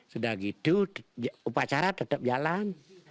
sudah gitu upacara tetap jalan